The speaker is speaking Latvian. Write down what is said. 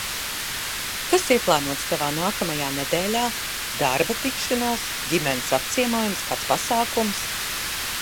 Kas ieplānots tavā nākamajā nedēļā – darba tikšanās, ģimenes apciemojums, kāds pasākums?